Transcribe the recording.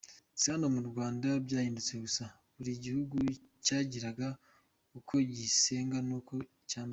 Si hano mu Rwanda byahindutse gusa, buri gihugu cyagiraga uko gisenga n’uko cyambaza.